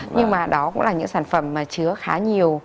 nhưng mà đó cũng là những sản phẩm mà chứa khá nhiều